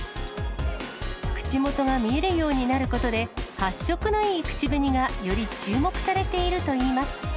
口元が見えるようになることで、発色のいい口紅がより注目されているといいます。